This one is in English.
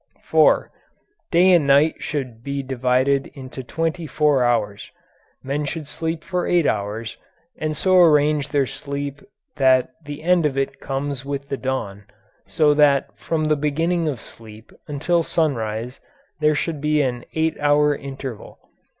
4. Day and night should be divided into twenty four hours. Men should sleep for eight hours, and so arrange their sleep that the end of it comes with the dawn, so that from the beginning of sleep until sunrise there should be an eight hour interval.